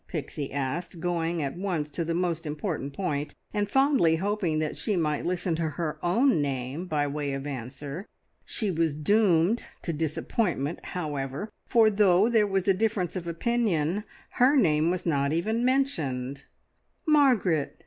Pixie asked, going at once to the most important point, and fondly hoping that she might listen to her own name by way of answer. She was doomed to disappointment, however, for though there was a difference of opinion, her name was not even mentioned. "Margaret!"